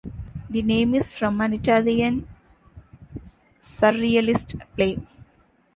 The name is from an Italian surrealist play.